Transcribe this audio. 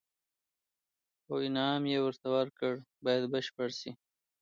او انعام یې ورته ورکړ باید بشپړ شي.